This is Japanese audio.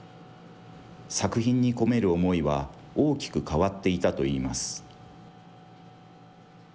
作品に込める思いは大きく変わっていたといいます。